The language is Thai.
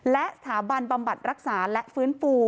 และสถาบันบำบัดรักษาและฟื้นฟู